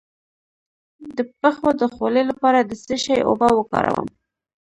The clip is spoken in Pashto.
د پښو د خولې لپاره د څه شي اوبه وکاروم؟